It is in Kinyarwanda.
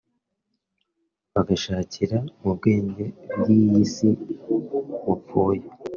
bagashakira mu bwenge bw’iyi si bupfuye